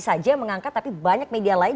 saja yang mengangkat tapi banyak media lain